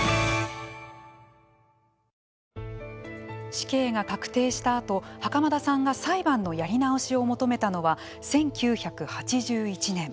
死刑が確定したあと、袴田さんが裁判のやり直しを求めたのは１９８１年。